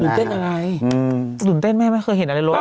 ดุลเต้นยังไงดุลเต้นแม่ไม่เคยเห็นอะไรรถ